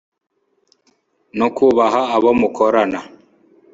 no kubaha abo mukorana